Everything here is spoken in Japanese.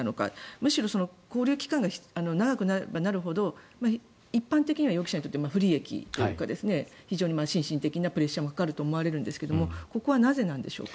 むしろ勾留期間が長くなればなるほど一般的には容疑者にとって不利益というか非常に心身的なプレッシャーもかかると思われるんですがここはなぜなんでしょうか？